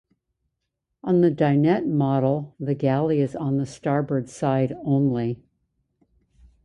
On the dinette model the galley is on the starboard side only.